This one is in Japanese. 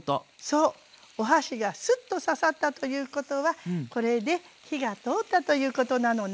そうお箸がスッと刺さったということはこれで火が通ったということなのね。